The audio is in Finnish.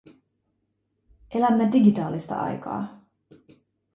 Elämme digitaalista aikaa.